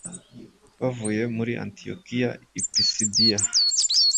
Bavuye muri Antiyokiya i Pisidiya,